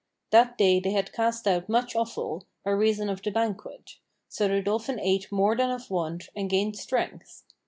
That day they had cast out much offal by reason of the banquet; so the dolphin ate more than of wont and gained strength.